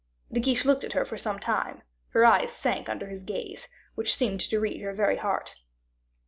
Guiche looked at her for some time; her eyes sank under his gaze, which seemed to read her very heart.